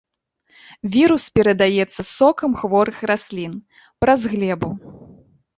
Вірус перадаецца з сокам хворых раслін, праз глебу.